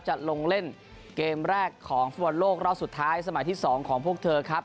จะลงเล่นเกมแรกของฟุตบอลโลกรอบสุดท้ายสมัยที่๒ของพวกเธอครับ